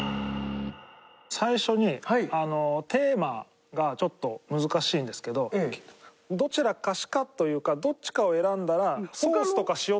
最初にテーマがちょっと難しいんですけどどちらかしかというか。